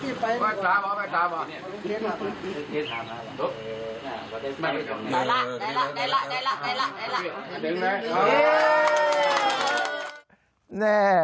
ได้ล่ะได้ล่ะได้ล่ะได้ล่ะ